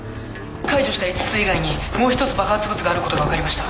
解除した５つ以外にもう一つ爆発物があることが分かりました。